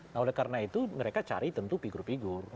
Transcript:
nah oleh karena itu mereka cari tentu figur figur